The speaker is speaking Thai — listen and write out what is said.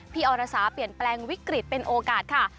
อรสาเปลี่ยนแปลงวิกฤตเป็นโอกาสค่ะ